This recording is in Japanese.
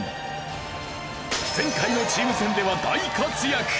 前回のチーム戦では大活躍！